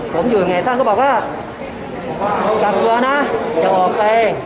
ผมอยู่ยังไงท่านก็บอกว่ากลับกลัวนะอย่าออกไป